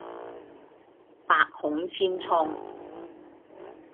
百孔千瘡